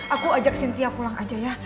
aku ajak cynthia pulang aja ya